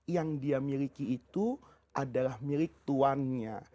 yang dia miliki itu adalah milik tuannya